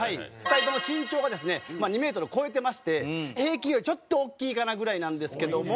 ２人とも身長がですね２メートルを超えてまして平均よりちょっと大きいかなぐらいなんですけども。